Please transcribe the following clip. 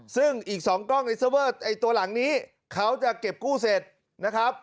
ซึ่งอีก๒กล้องในเซอร์เวอร์ไอ้ตัวหลังนี้เขาจะเก็บกู้เสร็จนะครับ